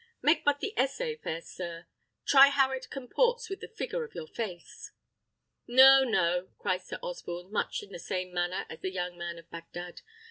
Make but the essay, fair sir; try how it comports with the figure of your face." "No, no!" cried Sir Osborne, much in the same manner as the young man of Bagdad.